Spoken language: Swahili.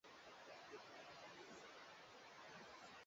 Hadi shilingi elfu mbili mia sita tisini na mbili za Tanzania (dola mia moja kumi na sita) kwa lita.